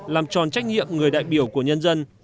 làm tròn trách nhiệm người đại biểu của nhân dân